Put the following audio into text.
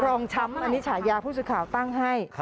รองช้ำอันนี้ฉายาพูดสิทธิ์ข่าวตั้งให้